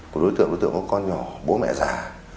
của đối tượng đối tượng có con nhỏ bố mẹ già